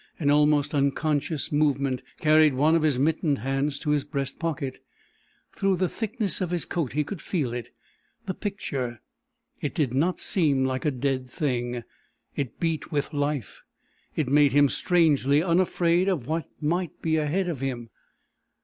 An almost unconscious movement carried one of his mittened hands to his breast pocket. Through the thickness of his coat he could feel it the picture. It did not seem like a dead thing. It beat with life. It made him strangely unafraid of what might be ahead of him.